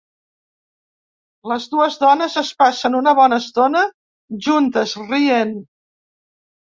Les dues dones es passen una bona estona juntes, rient.